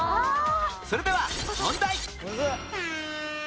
それでは問題